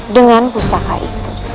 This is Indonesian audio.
dengan pusaka itu